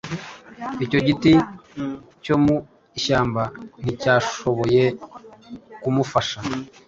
Icyo giti cyo mu ishyamba nticyashoboye kumufasha